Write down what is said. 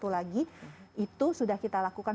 satu lagi itu sudah kita lakukan